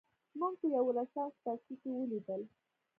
موږ په یوولسم څپرکي کې ولیدل.